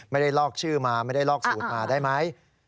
ลอกชื่อมาไม่ได้ลอกสูตรมาได้ไหม